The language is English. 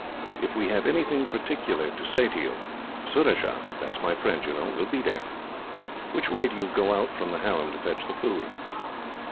If we have anything particular to say to you, Surajah that is my friend, you know will be there. Which way do you go out from the harem to fetch the food?"